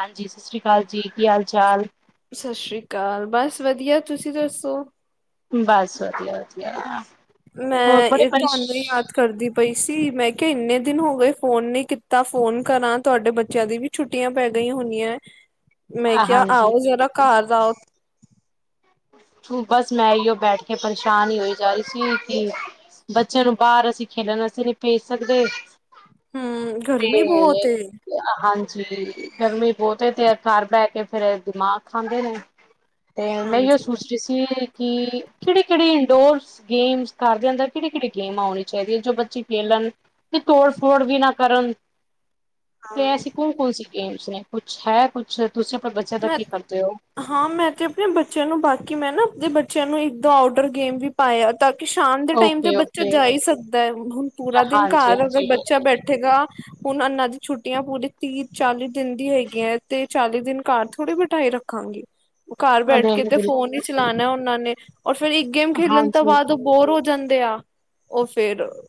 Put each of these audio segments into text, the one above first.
ਹਾਂਜੀ, ਸਤਿ ਸ੍ਰੀ ਅਕਾਲ ਜੀ। ਕੀ ਹਾਲ ਚਾਲ ਸਤਿ ਸ੍ਰੀ ਅਕਾਲ। ਬਸ ਵਧੀਆ, ਤੁਸੀਂ ਦੱਸੋ। ਬਸ, ਵਧੀਆ, ਵਧੀਆ। ਹੋਰ ਮੈਂ, ਬੜੇ ਇਹ ਪਰੇਸ਼ ਤੁਹਾਨੂੰ ਯਾਦ ਕਰਦੀ ਪਈ ਸੀ, ਮੈਂ ਕਿਹਾ, ਇੰਨੇ ਦਿਨ ਹੋ ਗਏ ਫੋਨ ਨ ਕੀਤਾ। ਫੋਨ ਕਰਾਂ, ਤੁਹਾਡੇ ਬੱਚਿਆਂ ਦੀ ਵੀ ਛੁੱਟੀਆਂ ਪੈ ਗਈ ਹੋਨੀਆ। ਮੈਂ ਕਿਹਾ, ਹਾਂਜੀ ਆਓ, ਜ਼ਰਾ ਘਰ ਆਓ। ਬਸ, ਮੈਂ ਓ ਬੈਠ ਕੇ ਪਰੇਸ਼ਾਨ ਹੀ ਹੋਈ ਜਾ ਰਹੀ ਸੀ, ਕਿ ਬੱਚਿਆਂ ਨੂੰ ਬਾਹਰ ਅਸੀਂ ਖੇਲਣਸੀ ਨਹੀਂ ਭੇਜ ਸਕਦੇ। ਹਮ, ਗਰਮੀ ਬਹੁਤ ਏ। ਜ ਗਰਮੀ ਬਹੁਤ, ਤੇ ਆ ਘਰ ਪੈ ਕੇ ਫੇਿਰ ਦਿਮਾਗ ਖਾਂਦੇ ਨੇ। ਤੇ, ਮੈਂ ਹਾਂਜੀ ਕਿ ਕਿਹੜੇ ਕਿਹੜੇ ਇੰਡੋਰਸ ਗੇਮ ਘਦੇ ਅੰਦਰ ਕਿਹੜੀ ਕਿਹੜੀ ਗੇਮ ਆਉਣੀ ਚਾਹੀਦੀ ਹੈ ਜੋ ਬੱਚੇ ਖੇਲਣ ਤੇ ਤੋੜ ਫੋੜ ਵੀ ਨਾ ਕਰਨ ਤੇ ਹਾਂ, ਐਸੀ ਕੌਣ-ਕੌਣ ਸੀ। ਗੈਮਸ ਮੈ ਕੁਛ ਹੈ ਕੁਛ, ਮੈਂ ਹਾਂ ਮੈਂ ਤੇ ਆਪਣੇ ਬੱਚਿਆਂ ਨੂੰ ਬਾ ਕਿ ਮੈਂ ਨਾ ਆਪਦੇ ਬੱਚਿਆਂ ਨੂੰ ਇੱਕਦ ਆਊਡਰ ਗੇਮ ਵੀ ਪਾਇਆ ਤਾਂ ਕਿ ਸ਼ਾਮ ਦੇ ਟਾਈਮ ਤੇ ਬੱਚਾ ਓਕੇ-ਓਕੇ ਜਾ ਹੀ ਸਕਦਾ ਹੈ, ਹੁਣ ਪੂਰਾ ਦਿਨ ਘਰ ਅਗਰ ਹਾਂਜੀ-ਹਾਂਜੀ ਬੱਚਾ ਬੈਠੇਗਾ। ਹੁਣ ਐਨਾ ਦੀ ਛੁੱਟੀਆਂ ਪੂਰੀ ਤੀਹ ਚਾਲੀ ਦਿਨ ਦੀ ਹੈਗੀਆਂ ਹੈ, ਤੇ ਚਾਲੀ ਦਿਨ ਘਰ ਥੋੜ੍ਹੀ ਬਿਠਾਈ ਰੱਖਾਂਗਾ। ਘਰ ਬੈਠ ਹਾਂਜੀ। ਕੇ ਤੇ ਫੋਨ ਹੀ ਚਲਾਣਾ ਉਹਨਾਂ ਨੇ ਹ ਔਰ ਫੇਰ ਇੱਕ ਗੇਮ ਖੇਲਣ ਤੋਂ ਬਾਅਦ ਉਹ ਬੋਰ ਹੋ ਜਾਂਦੇ ਆ ਉਸ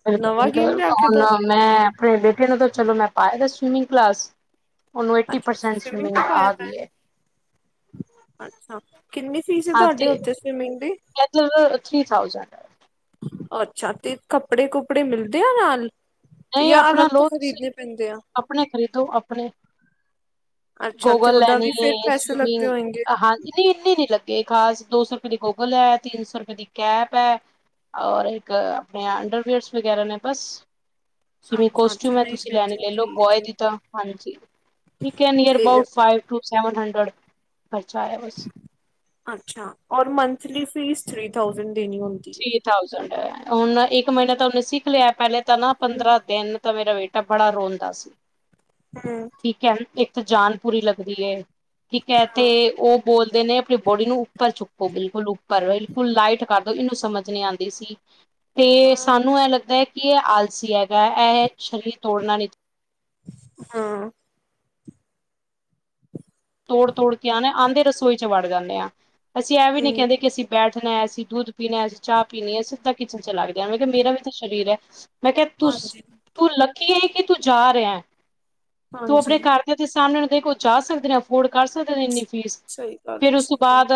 ਹੁਣ ਮੈਂ ਆਪਣੇ ਬੇਟੇ ਨੂੰ ਤਾਂ ਚਲੋ ਮੈਂ ਪਾਇਆ ਦੱਸ ਸਵੀਮਿੰਗ ਕਲਾਸ ਉਹਨੂੰ ਏਟੀ ਅੱਛਾ ਪਰਸੈਂਟ ਸਵਿਮਿੰਗ ਤੇ ਆ ਪਾਇਆ ਗਈ ਹੈ। ਮੈਂ ਅੱਛਾ ਕਿੰਨੀ ਫੀਸ ਹੈ, ਹਾਂ ਤੁਹਾਡੇ ਤੇ ਉੱਥੇ ਸਵਿਮਿੰਗ ਦੀ ਇਧਰ ਥ੍ਰਰੀ ਥਾਊਜੈਂਡ ਹੈ। ਅੱਛਾ ਤੇ ਕੱਪੜੇ ਕੁਪੜੇ ਮਿਲਦੇ ਆ ਨਾਲ, ਨਹੀਂ ਜਾਂ ਅਲੱਗ ਆਪਣਾ ਤੋਂ ਲੋ ਤੁਸੀਂ ਖ਼ਰੀਦਣੇ ਪੈਂਦੇ ਆ ਆਪਣੇ ਖਰੀਦੋ ਆਪਣੇ ਅੱਛਾ ਤੇ ਗੋਗਲ ਉਹਦਾ ਲੈਣੀ ਵੀ ਹੈ, ਫਿਰ ਪੈਸੇ ਲੱਗਦੇ ਸਵੀਮਿੰਗ ਹੋਏਗੇ ਹਾਂ ਇੰਨੀ ਨੀ ਲੱਗੀ। ਕਿ ਖਾਸ ਦੋ ਸੌ ਰੁਪਏ ਦੀ ਗੂਗਲ ਹੈ, ਤਿੰਨ ਸੌ ਰੁਪਏ ਦੀ ਕੈਪ ਹੈ, ਔਰ ਇੱਕ ਆਪਣੇ ਅੰਡਰਵੀਅਰਸ ਵਗੈਰਾ ਨੇ ਬਸ ਜਿਵੇ ਅੱਛਾ ਅੱਛਾ ਕੋਸਟਿਊਮ ਐ ਨਹੀਂ ਤੁਸੀਂ ਫਿਰ ਲੈਣੀ ਤੇ ਲੈਲੇ ਠੀਕ ਬੋਏ ਹੈ ਦੀ ਤਰਾਂ ਹਾਂਜੀ ਨਿਆਰ ਤੇ about five to seven hundred ਅੱਛਾ, ਔਰ monthly fees three thousand three thousand, ਹੁਣ ਇੱਕ ਮਹੀਨਾ ਤਾਂ ਉਹਨੇ ਸਿੱਖ ਲਿਆ। ਪਹਿਲੇ ਤਾਂ ਨਾ ਹੈ ਪੰਦਰਾਂ ਦਿਨ ਤਾਂ ਮੇਰਾ ਬੇਟਾ ਬੜਾ ਰੋਂਦਾ ਸੀ। ਹਮ ਹਮ ਠੀਕ ਹੈ ਇੱਕ ਤੇ ਜਾਨ ਪੂਰੀ ਲੱਗਦੀ ਐ। ਠੀਕ ਹੈ, ਹਾਂ ਤੇ ਉਹ ਬੋਲ ਨੇ ਆਪਣੀ ਬੋਡੀ ਨੂੰ ਉੱਪਰ ਚੁੱਕੋ ਬਿਲਕੁਲ ਉੱਪਰ ਬਿਲਕੁਲ ਲਾਈਟ ਕਰ ਦੋ ਇਹਨੂੰ ਸਮਝ ਨਹੀਂ ਆਦੀ ਸੀ। ਤੇ ਹਾਂ ਸਾਨੂੰ ਐ ਲੱਗਦਾ ਏ। ਕਿ ਐ ਆਲਸੀ ਏ ਗਾ ਐ ਸਰੀਰ ਤੋੜਨਾ ਨੀ, ਹਾਂ। ਰੋਈ ਚ ਵੜ ਜਾਂਦੇ ਆਂ। ਅਸੀਂ ਐਹ ਵੀ ਨੀ ਹਮ ਕਹਿੰਦੇ ਕਿ ਅਸੀਂ ਬੈਠ ਣਾ ਐ, ਅਸੀਂ ਦੁੱਧ ਪੀਣਾ ਐ, ਅਸੀਂ ਚਾਹ ਪੀਣੀ ਐ, ਸਿੱਧਾ ਕਿਚਨ ਚ ਲੱਗ ਜਾਂਣਾ। ਵੇਖੋ ਮੇਰਾ ਵੀ ਤੇ ਸ਼ਰੀਰ ਐ। ਮੈਂ ਕਿਹਾ ਤੂਸ ਹਾਂਜੀ ਤੂੰ ਲ ਕੀ ਕਿ ਤੂੰ ਜਾ ਰਿਹਾ ਐ। ਤੂੰ ਆਪਣੇ ਹਾਂਜੀ ਘਰਦਿਆਂ ਦੇ ਸਾਮਣੇ ਤੇ ਕੋ ਚਾਹ ਸਕਦੇ ਨੇ ਆਪ ਹੋੜ ਕਰ ਸਕਦੇ ਨੇ ਇੰਨੀ ਫੀਸ। ਸਹੀ ਗੱਲ ਫੇਰ ਉਸ ਤੋਂ ਸਹੀ ਬਾਅਦ, ਗੱਲ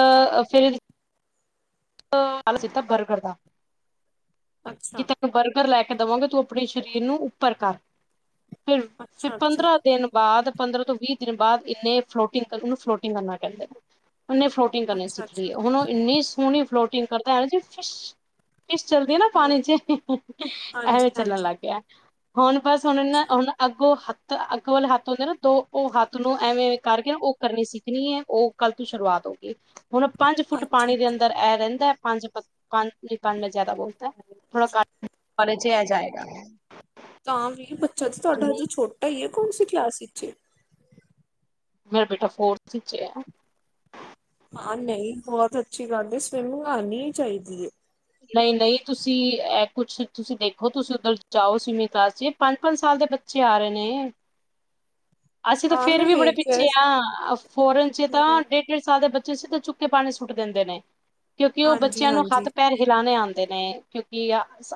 ਫਿਰ ਏਦੀ ਅ ਸਿੱਧਾ ਬਰਗਰ ਦਾ। ਕਿ ਅੱਛਾ ਤੈਨੂੰ ਬਰਗਰ ਲੈ ਕੇ ਕੇ ਦਵਾਂਗੇ, ਤੂੰ ਆਪਣੇ ਸ਼ਰੀਰ ਨੂੰ ਉੱਪਰ ਕਰ। ਫਿਰ ਫਿਰ ਅੱਛਾ ਅੱਛਾ ਪੰਦਰਾਂ ਦਿਨ ਬਾਅਦ ਪੰਦਰਾਂ ਤੋਂ ਵੀਹ ਦਿਨ ਬਾਅਦ ਇੰਨੇ ਫਲੋਟਿੰਗ ਕਰ, ਓਹਨੂੰ ਫਲੋਟਿੰਗ ਕਰਨਾ ਕਹਿੰਦੇ ਨੇ। ਉਹਨੇ ਫਲੋਟਿੰਗ ਕਰਨੀ ਅੱਛਾ ਸਿੱਖ ਲਈ ਅੱਛਾ ਐ, ਹੁਣ ਓਹ ਇੰਨੀ ਸੋਹਣੀ ਫਲੋਟਿੰਗ ਕਰਦਾ ਐ ਨਾ ਜੀ ਫਸ਼ ਸ਼ ਚੱਲਦੀ ਐ ਨਾ ਹਮ ਪਾਣੀ ਚ, ਐਵੇਂ ਹਾਂਜੀ ਚੱਲਣ ਹਾਂਜੀ ਲੱਗ ਪਿਆ। ਹੁਣ ਬਸ ਹੁਣ ਇਨ ਨਾ ਅੱਛਾ ਹੁਣ ਅੱਗੋਂ ਹੱਥ ਤਾਂ ਅੱਗ ਵਾਲੇ ਹੱਥ ਹੁੰਦੇ ਨਾ ਦੋ, ਉਹ ਹੱਥ ਨੂੰ ਐਵੇਂ ਕਰਕੇ ਨਾ, ਉਹ ਕਰਨੀ ਸਿੱਖਣੀ ਐ। ਉਹ ਕੱਲ ਤੋਂ ਸ਼ੁਰੂਆਤ ਹੋ ਗੀ। ਹੁਣ ਪੰਜ ਫੁੱਟ ਪਾਣੀ ਦੇ ਅੱਛਾ ਅੰਦਰ ਰਹਿੰਦਾ ਐ ਪੰਜਪਤ ਪੰਜ ਨਈ ਪੰਜ ਮੈਂ ਜ਼ਿਆਦਾ ਬੋਲਤਾ ਥੋੜਾ ਕਟ ਲੇ ਛੇ ਆ ਜਾਏਗਾ। ਤਾਂ ਵੀ ਬ ਅੱਛਾ ਅੱਛਾ ਤੁਆਡਾ ਹਜੇ ਛੋਟਾ ਉ ਐ। ਕੌਣ ਸੀ ਕਲਾਸ ਇੱਚ ਏ? ਮੇਰਾ ਬੇਟਾ ਫੋਰਥ ਚ ਐ। ਹਾਂ ਨਹੀਂ, ਬਹੁਤ ਅੱਛੀ ਗੱਲ ਐ। ਸਵਿਮਿੰਗ ਆਣੀ ਈ ਚਾਈਦੀ ਐ। ਨਹੀਂ ਨਹੀਂ, ਤੁਸੀਂ ਐਹ ਕੁਛ, ਤੁਸੀਂ ਦੇਖੋ ਤੁਸੀਂ ਉੱਧਰ ਜਾਓ ਸਵੀਮਿੰਗ ਕਲਾਸ ਚ। ਪੰਜ ਪੰਜ ਸਾਲ ਦੇ ਬੱਚੇ ਆ ਰਹੇ ਨੇ। ਅਸੀਂ ਤਾਂ ਹਾਂ ਫੇਰ ਮੈਂ ਵੀ ਬੜੇ ਵੇਖਿਆ ਪਿੱਛੇ ਆਂ, ਫੋਰਨ ਚ ਤਾਂ ਹੂੰ ਡੇਢ ਡੇਢ ਸਾਲ ਦੇ ਬ ਚੇ ਸਿੱਧੇ ਚੁੱਕ ਕੇ ਪਾਣੀ ਚ ਸੁੱਟ ਦਿੰਦੇ ਨੇ। ਕਿਉਂਕਿ ਉਹ ਹਾਂਜੀ ਬੱਚਿਆਂ ਨੂੰ ਹਾਂਜੀ ਹੱਥ ਪੈਰ ਹਿਲਾਣੇ ਆਂਦੇ ਨੇ। ਕਿਉਂਕਿ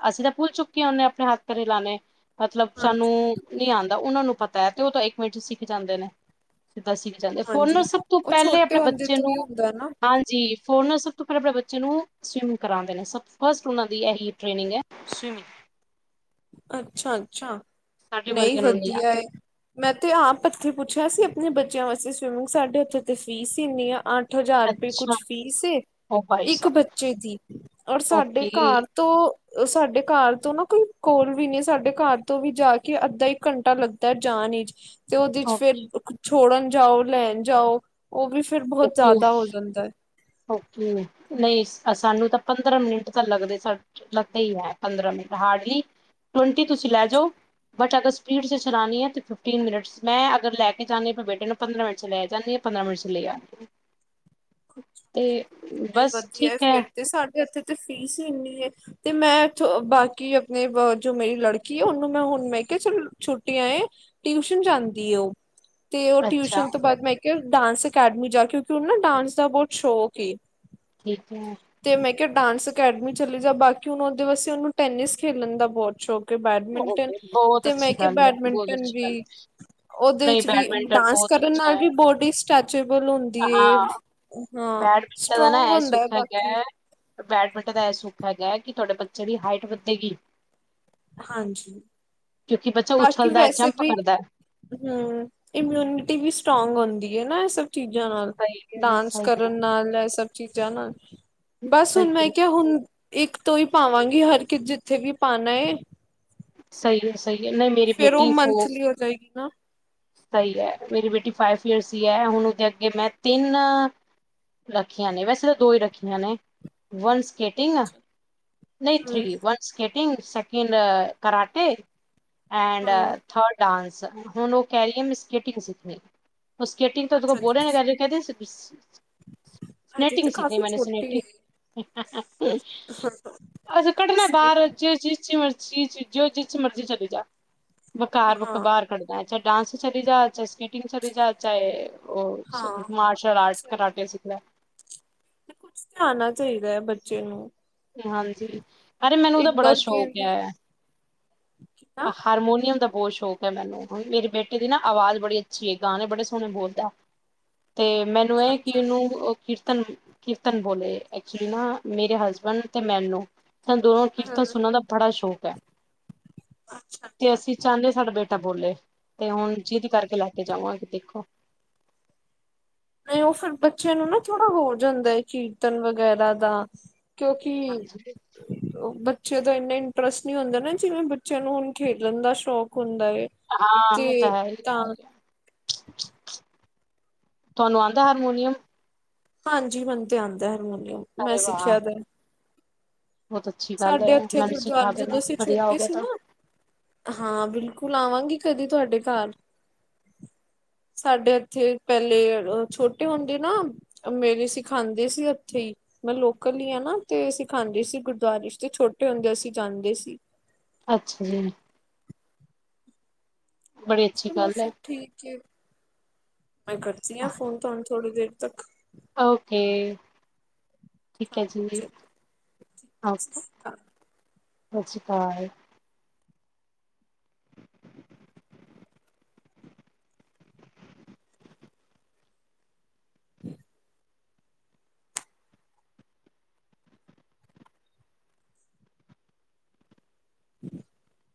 ਅਸੀਂ ਤਾਂ ਭੁੱਲ ਚੁੱਕੇ ਹੁੰਨੇ ਆਪਣੇ ਹੱਥ ਪੈਰ ਹਿਲਾਣੇ। ਮਤਲਬ ਸਾਨੂੰ ਹਾਂਜੀ ਨੀ ਆਂ ਉਹਨਾਂ ਨੂੰ ਪਤਾ ਹੈ, ਤੇ ਉਹ ਤਾਂ ਇੱਕ ਮਿੰਟ ਚ ਸਿੱਖ ਜਾਂਦੇ ਨੇ ਦਸੀ ਜਾਂਦੇ ਫੋਨ ਨੂੰ ਹਾਂਜੀ ਸਭ ਤੋਂ ਉਹ ਪਹਿਲੇ ਛੋਟੇ ਆਪਣੇ ਹੁੰਦੇ ਬੱਚੇ ਤੋਂ ਨੂੰ ਹੀ ਹੁੰਦਾ ਨਾ ਹਾਂਜੀ ਫੋਨ ਨਾਲ ਸਭ ਤੋਂ ਪਹਿਲਾਂ ਆਪਣੇ ਬੱਚੇ ਨੂੰ ਸਵਿਮ ਕਰਾਉਂਦੇ ਨੇ, ਸਭ ਤੋਂ ਫਸਟ ਉਹਨਾਂ ਦੀ ਇਹੀ ਟ੍ਰੇਨਿਗ ਹੈ, ਸਵੀਮਿੰਗ। ਅੱਛਾ-ਅੱਛਾ। ਨਹੀਂ ਵਰਗਿਆਂ ਨੂੰ ਨੀ ਵਧੀਆ ਆਂਦੀ। ਏ, ਮੈਂ ਤੇ ਆਪ ਏਥੇ ਪੁ ਪੁੱਛਿਆ ਸੀਂ ਆਪਣੇ ਬੱਚਿਆਂ ਵਾਸਤੇ ਸਵੀਮਿੰਗ ਸਾਡੇ ਉੱਥੇ ਤੇ ਫੀਸ ਹੀ ਇੰਨੀ ਆ ਅੱਠ ਹਜ਼ਾਰ ਰੁਪਏ ਅੱਛਾ ਕੁਛ ਫੀਸ ਏ, ਓ ਭਾਈ ਇੱਕ ਸਾਹਿਬ ਬੱਚੇ ਦੀ ਔਰ ਸਾਡੇ ਓਕੇ ਘਰ ਤੋਂ ਸਾਡੇ ਘਰ ਤੋਂ ਨਾ ਕੋਈ ਕੋਲ ਵੀ ਨੀ, ਸਾਡੇ ਘਰ ਤੋਂ ਵੀ ਜਾ ਕੇ ਅੱਧਾ -ਇੱਕ ਘੰਟਾ ਲੱਗਦਾ ਜਾਣ ਵਿਚ ਤੇ ਉਹਦੇ ਚ ਫੇਰ ਓਕੇ ਕੁ ਚੁ ਛੋੜਨ ਜਾਓ, ਲੈਣ ਜਾਓ ਉਹ ਵੀ ਫਿਰ ਬਹੁਤ ਓਕੇ ਜ਼ਿਆਦਾ ਹੋ ਜਾਂਦਾ ਹੈ। ਓਕੇ, ਨਹੀਂ ਸਾਨੂੰ ਤਾਂ ਪੰਦਰਾਂ ਮਿੰਟ ਤਾਂ ਲੱਗਦੇ ਸ ਲੱਗਦੇ ਹੀ ਹੈ ਪੰਦਰਾਂ ਮਿੰਟ, ਹਾਰਡਲੀ ਟਵੰਟੀ ਤੁਸੀਂ ਲੈ ਜਾਓ, ਬਟ ਅਗਰ ਸਪੀਡ ਚ ਚਲਾਉਣੀ ਹੈ ਤਾਂ ਫਿਫਟੀਨ ਮਿੰਨਟਸ ਮੈਂ ਅਗਰ ਲੈ ਕੇ ਜਾਂਦੀ ਹਾਂ ਅਪਣੇ ਬੇਟੇ ਨੂੰ ਪੰਦਰਾਂ ਮਿੰਟ 'ਚ ਲੈ ਜਾਂਦੀ ਹਾਂ ਪੰਦਰਾਂ ਮਿੰਟ 'ਚ ਲੈ ਆਉਦੀ ਹਾਂ। ਤੇ ਬਸ ਠੀਕ ਹੈ। ਇਥੇ ਤੇ ਫੀਸ ਹੀ ਇੰਨੀ ਏ, ਤੇ ਮੈਂ ਥ ਬਾਕੀ ਆਪਣੇ ਜੋ ਮੇਰੀ ਲੜਕੀ ਆ ਉਹਨੂੰ ਮੈਂ ਹੁਣ ਮੈਂ ਕਿਹਾ ਚਲ ਛੁੱਟੀਆਂ ਏ ਟਿਊਸ਼ਨ ਜਾਂਦੀ ਆ ਉਹ ਤੇ ਉਹ ਅੱਛਾ ਟਿਊਸ਼ਨ ਤੋਂ ਬਾਅਦ ਮੈਂ ਇੱਕ ਕਿ ਡਾਂਸ ਅਕੈਡਮੀ ਜਾ, ਕਿਉਂਕਿ ਉਹਨੂੰ ਨਾ ਡਾਂਸ ਦਾ ਬਹੁਤ ਸ਼ੌੰਕ ਏ। ਠੀਕ ਹੈ। ਕਿ ਡਾਂਸ ਅਕੈਡਮੀ ਚਲੀ ਜਾ, ਬਾਕੀ ਹੁਣ ਉਹਦੇ ਵਾਸਤੇ ਉਹਨੂੰ ਟੈਨਿਸ ਖੇਲਣ ਦਾ ਬਹੁਤ ਸ਼ੌਕ ਬੈਡਮਿੰਟਨ, ਓਕੇ ਬਹੁਤ ਤੇ ਮੈਂ ਅੱਛੀ ਕਿਹਾ ਗੱਲ ਹੈ ਬਹੁਤ ਬੈਡਮਿੰਟਨ ਅੱਛੀ ਗੱਲ ਵੀ ਹੈ ਉਹਦੇ ਨਹੀਂ ਚ ਵੀ ਬੈਡਮਿੰਟਨ ਡਾਂਸ ਬਹੁਤ ਕਰਨ ਨਾਲ ਅੱਛਾ ਹੈ ਵੀ ਬੋਡੀ ਸਟੈਚੇਬਲ ਹੁੰਦੀ ਹੈ ਹਾਂ ਏਦਾ ਨਾ ਸਟਰੋਂਗ ਏਹ ਹੁੰਦਾ ਹੈ ਸੁਖ ਬਾਕੀ ਹੈਗਾ ਬੈਡਮਿੰਟਨ ਦਾ ਇਹ ਸੁੱਖ ਹੈਗਾ ਹੈ, ਕਿ ਤੁਹਾਡੇ ਬੱਚੇ ਦੀ ਹਾਈਟ ਵਧੇਗੀ। ਹਾਂਜੀ। ਬਾਕੀ ਉਛਲਦਾ ਵੈਸੇ ਜੰਪ ਵੀ, ਕਰਦਾ ਹਮ ਇਮਿਊਨਿਟੀ ਵੀ ਸਟਰੋਂਗ ਹੁੰਦੀ। ਏ ਨਾ ਸਭ। ਚੀਜ਼ਾਂ ਨਾਲ ਡਾਂਸ ਕਰਨ ਨਾਲ ਇਹ ਸਭ ਚੀਜ਼ਾਂ ਨਾਲ। ਬਸ ਹੁਣ ਮੈਂ ਕਿਹਾ ਹੁਣ ਇੱਕ ਤੋਂ ਹੀ ਪਾਵਾਂਗੀ, ਹਰ ਇੱਕ ਜਿੱਥੇ ਵੀ ਪਾਨਾ ਏ ਸਹੀ ਹੈ। ਫੇਰ ਉਹ ਮੰਥਲੀ ਹੋ ਜਾਏਗੀ ਨਾ। ਸਹੀ ਹੈ, ਮੇਰੀ ਬੇਟੀ ਫਾਈਵ ਈਅਰਸ ਹੀ ਹੈ, ਹੁਣ ਉਹਦੇ ਅੱਗੇ ਮੈਂ ਤਿੰਨ ਰੱਖੀਆਂ ਨੇ, ਵੈਸੇ ਤਾਂ ਦੋ ਹੀ ਰੱਖੀਆਂ ਨੇ, ਵਨ ਸਕੇਟਿੰਗ ਨਹੀਂ ਹੂੰ ਥ੍ਰੀ ਵਨ੍ਸ ਸੈਕਿੰਡ ਤਿੰਨ ਸੈਕਿੰਡ ਕਰਾਟੇ ਐਂਡ ਹਾਂ ਥਰਡ ਡਾਂਸ ਸ, ਹੁਣ ਔ ਕਹਿ ਰੀ ਐ ਮੈਂ ਸਕੈਟਿੰਗ ਸਿੱਖਣੀ ਔ ਸਕੇਟਿੰਗ ਤੋ ਇਹ ਦੇ ਅੱਛਾ ਬੋਰ ਰਏ ਜੀ, ਐਂ [unintelligible] [unintelligible] ਹਜੇ ਸਨੈਟਿੰਗ ਤਾਂ ਸਿਖਨੀ ਕਾਫ਼ੀ ਮੈਨੇ ਛੋਟੀ ਸਨੈਟਿੰਗ ਹੈ ਅਜੇ ਕਡਨੈ ਬਾਰ ਸਕੇਟਿੰਗ ਜਿਸ ਚੀਜ਼ ਚ ਚੀ ਚ ਫੇਰ ਜਿਸ ਚ ਮਰਜ਼ੀ ਚਲੀ ਜਾ ਬਕਾਰ ਵਕ ਹਾਂ ਬਾਰ ਕੱਢਨੈ ਚਾਏ ਡਾਂਸ ਚ ਚਲੀ ਜਾ ਚਾਏ ਸਕੇ ਟਿੰਗ ਚਲੀ ਜਾਏ ਚਾਏ ਔ ਹਾਂ ਮਾਰਸ਼ਲ ਆਰਟ ਕਰਾਟੇ ਸਿੱਖ ਲੈ। ਨਾ ਕੁੱਛ ਤੇ ਆਣਾ ਚਾਹੀਦੈ ਬੱਚੇ ਨੂੰ। ਹਾਂਜੀ, ਅਰੇ ਮੈਨੂੰ ਉਹਦਾ ਬੜਾ ਇੰਡੋਰ ਸ਼ੌਕ ਗੇਮ ਵੀ ਐ, ਨਾ। ਹਾਰਮੋਨੀਅਮ ਦਾ ਬੋਤ ਸ਼ੌਕ [unintelligible] ਮੇਰੇ ਬੇਟੇ ਦੀ ਨਾ ਆਵਾਜ਼ ਬੜੀ ਅੱਛੀ ਏ, ਗਾਣੇ ਬੜੇ ਸੋਹਣੇ ਬੋਲਦੈ ਤੇ ਮੈਨੂੰ ਅੱਛਾ ਇਹ ਕਿ ਅੱਛਾ ਉਹਨੂੰ ਕੀਰਤਨ, ਕੀਰਤਨ ਬੋਲੇ ਐਕਚੁਲੀ ਨਾ ਮੇਰੇ ਹਸ ਬੈਂਡ ਤੇ ਮੈਨੂੰ ਸਾਨੂੰ ਦੋਨਾ ਨੂੰ ਹਾਂ ਕੀਰਤਨ ਸੁਣਨ ਦਾ ਬੜਾ ਸ਼ੌਕ ਗੈ। ਅੱਛਾ ਤੇ ਅੱਛਾ ਅਸੀ ਚਾਹੰਦੇ ਸਾਡਾ ਬੇ ਟਾ ਬੋਲੇ ਤੇ ਹੁਣ ਜਿੰਦ ਕਰਕੇ ਲੈ ਕੇ ਜਾਵਾਂਗੇ ਦੇਖੋ। ਨਈ ਔ ਫਿਰ ਬੱਚਿਆਂ ਨੂੰ ਨਾ ਥੋੜ ੜਾ ਹੋ ਜਾਂਦਾ ਐ ਕਿ ਤਨ ਵਗੈਰਾ ਦਾ ਕਿਉਂਕਿ ਹਾਂਜੀ ਔ ਬੱ ਚੇ ਦਾ ਇੰਨਾ ਇੰਟਰਸਟ ਨੀ ਹੁੰਦਾ ਨਾ ਜਿਵੇਂ ਬੱਚਿਆਂ ਨੂੰ ਹੁਣ ਖੇਡਣ ਦਾ ਸ਼ੌਕ ਹੁੰਦ ਹਾਂ ਉਹ ਤਾਂ ਹੈ ਈ, ਐ ਈ ਐ ਤੁਆਨੂੰ ਆਂਦਾ ਹਾਰਮੋਨੀਅਮ? ਹਾਂਜੀ ਮੈਨੂੰ ਤੇ ਆਂਦੈ ਹਰਮੋਨੀਅਮ। ਮੈਂ ਅਰੇ ਵਾਹ! ਸਿੱਖਿਆ ਦੈ। ਬਹੁਤ ਅੱਛੀ ਗੱਲ ਹੈ, ਸਾਡੇ ਉੱਥੇ ਮੈਨੂੰ ਗੁਰਦੁਆਰੇ ਸਿਖਾ ਜਦੋਂ ਦੇਣਾ ਅਸੀਂ ਵਧੀਆ ਹੋ ਛੋਟੇ ਗਿਆ ਸੀ ਤਾਂ। ਨਾ, ਹਾਂ ਬਿਲਕੁਲ ਆਵਾਂਗੀ। ਕਦੀ ਤੁਹਾਡੇ ਘਰ, ਸਾਡੇ ਇੱਥੇ ਪਹਿਲੇ ਔ ਛੋਟੇ ਹੁੰਦੇ ਨਾ ਮੈਂ ਵੀ ਸਿਖਾਂਦੀ ਸੀ ਔਥੇ ਈ। ਮੈਂ ਲੋਕਲ ਈ ਐ ਨਾ ਤੇ ਸਿਖਾਂਦੀ ਸੀ ਗੁ [unintelligible] ਤੇ ਛੋਟੇ ਹੁੰਦੇਆਂ ਅਸੀਂ ਜਾਂਦੇ ਸੀ ਅੱਛਾ ਜੀ ਬੜੀ ਅੱਛੀ ਚਲੋ, ਗੱਲ ਹੈ। ਫਿਰ ਠੀਕ ਜੇ ਮੈਂ ਕਰਦੀ ਆ ਫੋਨ ਤੁਹਾਨੂੰ ਥੋੜ੍ਹੀ ਦੇਰ ਤਕ ਓਕੇ ਠੀਕ ਹੈ ਜੀ, ਚਲੋ ਸਤਿ ਓਕੇ ਸ਼੍ਰੀ ਅਕਾਲ ਸਤਿ ਸ਼੍ਰੀ ਅਕਾਲ [inaudible] [inaudible]